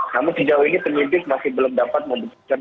namun sejauh ini penyimpin masih belum dapat mengatakan